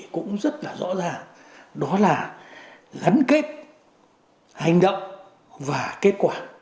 cũng rất là rõ ràng đó là gắn kết hành động và kết quả